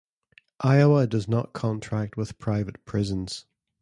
Iowa does not contract with private prisons.